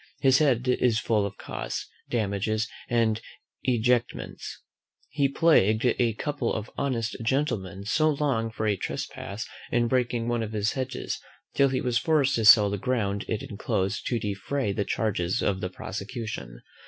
His head is full of costs, damages, and ejectments: He plagued a couple of honest gentlemen so long for a trespass in breaking one of his hedges, till he was forced to sell the ground it enclosed to defray the charges of the prosecution.